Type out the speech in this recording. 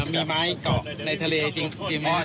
มีไม้เกาะในทะเลจริงมอส